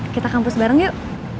kita kampus bareng yuk